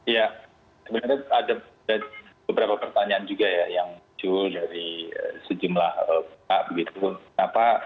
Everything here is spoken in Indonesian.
ya sebenarnya ada beberapa pertanyaan juga ya yang muncul dari sejumlah pihak begitu kenapa